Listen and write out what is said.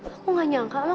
aku gak nyangka lah